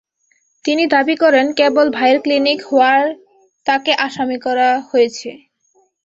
তিনি দাবি করেন, কেবল ভাইয়ের ক্লিনিক হওয়ায় তাঁকে আসামি করা হয়েছে।